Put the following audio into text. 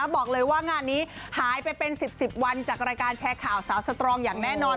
บอกเลยว่างานนี้หายไปเป็น๑๐๑๐วันจากรายการแชร์ข่าวสาวสตรองอย่างแน่นอน